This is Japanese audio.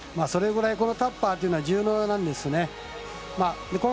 それぐらいタッパーというのは重要なんですね。